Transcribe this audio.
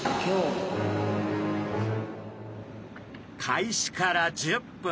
開始から１０分。